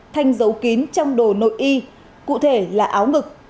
thành giấu kín trong đồ nội y cụ thể là áo ngực